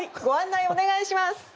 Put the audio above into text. ご案内お願いします。